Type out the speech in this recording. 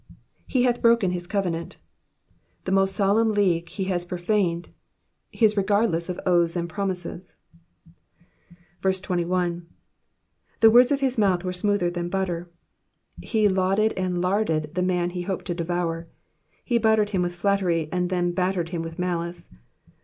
^^Ile hath broken his covenanf^ The most solemn league he has profaned, he is regardless of oaths and promises. 21. ^^The words of his mouth were smoother than hitter.''^ He lauded and larded the man he hoped to devour. He buttered him with flattery and then battered him with malice.